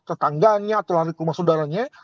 tetangganya atau lari ke rumah saudaranya